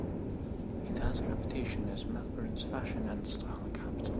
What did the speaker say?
It has a reputation as Melbourne's fashion and style capital.